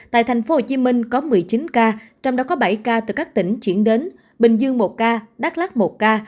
tại tp hcm có một mươi chín ca trong đó có bảy ca từ các tỉnh chuyển đến bình dương một ca đắk lắc một ca